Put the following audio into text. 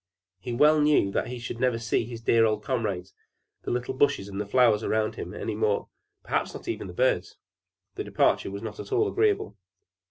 He well knew that he should never see his dear old comrades, the little bushes and flowers around him, anymore; perhaps not even the birds! The departure was not at all agreeable.